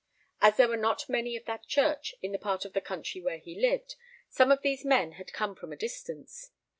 As there were not many of that church in the part of the country where he lived, some of these men had come from a distance.